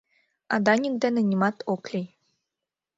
А Даник дене нимат ок лий.